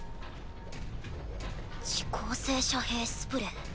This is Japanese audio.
遅効性遮蔽スプレー？